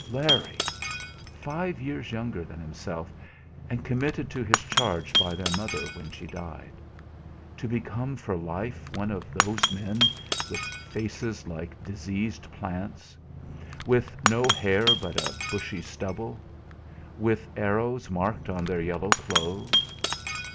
Larry! Five years younger than himself; and committed to his charge by their mother when she died. To become for life one of those men with faces like diseased plants; with no hair but a bushy stubble; with arrows marked on their yellow clothes!